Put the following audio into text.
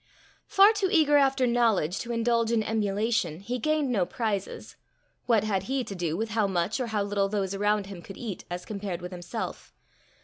Far too eager after knowledge to indulge in emulation, he gained no prizes: what had he to do with how much or how little those around him could eat as compared with himself?